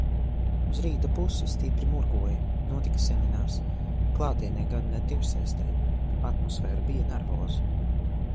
Uz rīta pusi stipri murgoju. Notika seminārs. Klātienē gan, ne tiešsaistē. Atmosfēra bija nervoza.